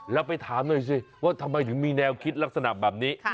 แล้วไปถามหน่อยสิว่าทำไมถึงมีแนวคิดลักษณะแบบนี้